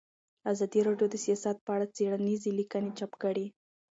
ازادي راډیو د سیاست په اړه څېړنیزې لیکنې چاپ کړي.